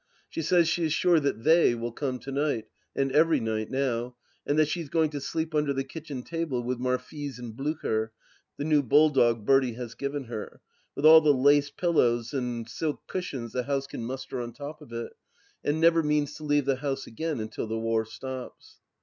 She says she is sure that They will come to night, and every night, now, and that she is going to sleep imder the kitchen table with Marfise and Blucher — the new bulldog Bertie has given her — ^with all the lace pillows and silk cushions the house can muster on top of it, and never means to leave the house again until the war stops.